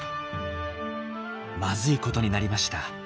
まずいことになりました。